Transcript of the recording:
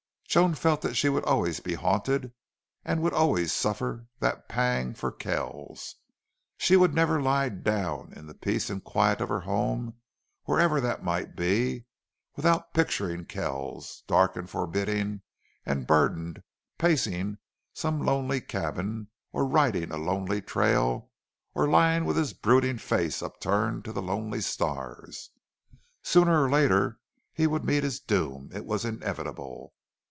Joan felt that she would always be haunted and would always suffer that pang for Kells. She would never lie down in the peace and quiet of her home, wherever that might be, without picturing Kells, dark and forbidding and burdened, pacing some lonely cabin or riding a lonely trail or lying with his brooding face upturned to the lonely stars. Sooner or later he would meet his doom. It was inevitable.